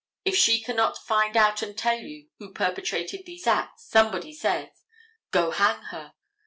If she cannot find out and tell you who perpetrated these acts, somebody says, "Go hang her."